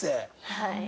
はい。